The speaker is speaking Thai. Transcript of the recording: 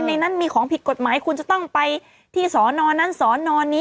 ในนั้นมีของผิดกฎหมายคุณจะต้องไปที่สอนอนั้นสอนอนนี้